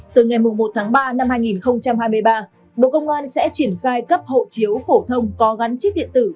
từ ngày một tháng ba năm hai nghìn hai mươi ba bộ công an sẽ triển khai cấp hộ chiếu phổ thông có gắn chip điện tử